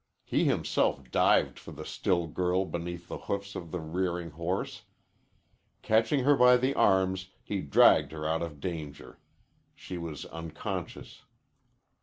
He himself dived for the still girl beneath the hoofs of the rearing horse. Catching her by the arms, he dragged her out of danger. She was unconscious.